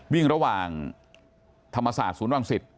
วิ่งระหว่างธรรมศาสตร์ศูนย์วังสิต